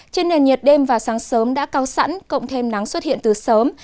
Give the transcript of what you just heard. trên nền nhiệt đêm và sáng sớm đã cao sẵn cộng thêm nắng xuất hiện từ sớm